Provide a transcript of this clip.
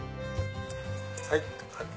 はい。